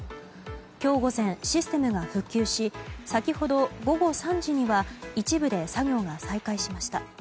今日午前、システムが復旧し先ほど午後３時には一部で作業が再開しました。